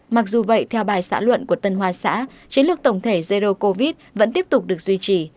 mặc dù vậy theo bài xã luận của tân hoa xã chiến lược tổng thể zero covid vẫn tiếp tục được duy trì